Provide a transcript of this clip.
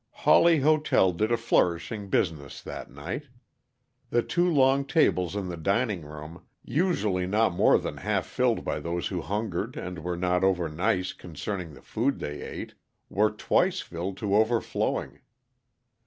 Hawley Hotel did a flourishing business that night. The two long tables in the dining room, usually not more than half filled by those who hungered and were not over nice concerning the food they ate, were twice filled to overflowing.